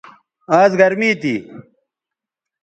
آز گرمی تھی